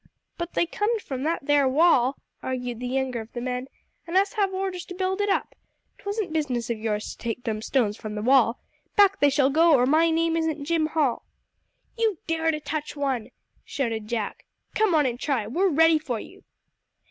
"But they comed from that there wall," argued the younger of the men; "and us have orders to build it up. 'Twasn't business of yours to take them stones from the wall. Back they shall go, or my name isn't Jim Hall!" "You dare to touch one!" shouted Jack. "Come on and try, we're ready for you!"